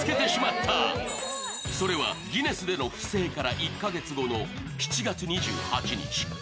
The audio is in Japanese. ところがそれはギネスでの不正から１か月後の７月２８日。